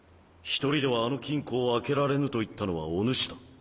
１人ではあの金庫を開けられぬと言ったのはお主だ。